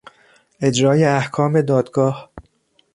اجرای احکام دادگاه